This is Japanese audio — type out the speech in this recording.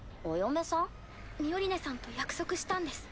ミオリネさんと約束したんです